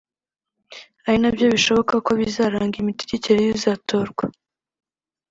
ari nabyo bishoboka ko bizaranga imitegekere y’uzatorwa